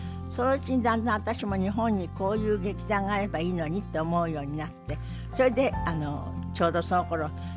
そのうちにだんだん私も日本にこういう劇団があればいいのにって思うようになってそれでちょうどそのころ